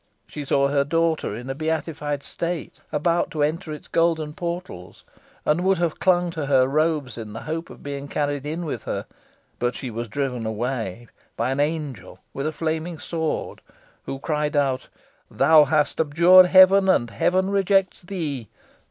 She saw her daughter in a beatified state about to enter its golden portals, and would have clung to her robes in the hope of being carried in with her, but she was driven away by an angel with a flaming sword, who cried out, "Thou hast abjured heaven, and heaven rejects thee.